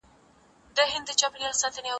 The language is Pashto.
ټولنیز نظم د ګډو اصولو له منلو پرته نه ساتل کېږي.